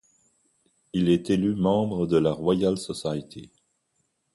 Il est élu membre de la Royal Society.